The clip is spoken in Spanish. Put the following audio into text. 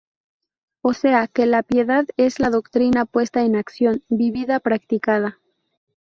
O sea, que la piedad es la doctrina puesta en acción, vivida, practicada.